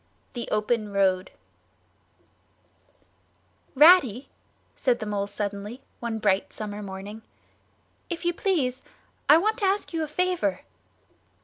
THE OPEN ROAD "Ratty," said the Mole suddenly, one bright summer morning, "if you please, I want to ask you a favour."